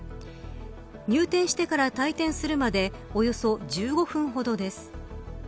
入店してから退店するまでおよそ１５分ほどです。